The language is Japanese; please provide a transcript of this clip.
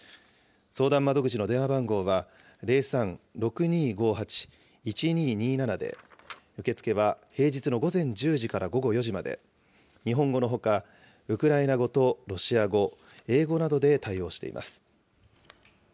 相談窓口の電話番号は、０３ー６２５８ー１２２７で、受け付けは平日の午前１０時から午後４時まで、日本語のほか、ウクライナ語とロシア語、英語などで対応しています。